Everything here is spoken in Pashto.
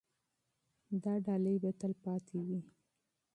دا ډالۍ به تل پاتې وي.